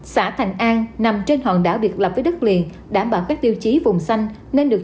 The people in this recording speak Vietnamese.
xã thành an nằm trên hòn đảo biệt lập với đất liền đảm bảo các tiêu chí vùng xanh nên được